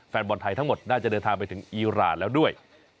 แฟนบอลไทยทั้งหมดน่าจะเดินทางไปถึงอีรานแล้วด้วย